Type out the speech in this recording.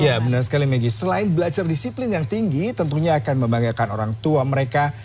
ya benar sekali maggie selain belajar disiplin yang tinggi tentunya akan membanggakan orang tua mereka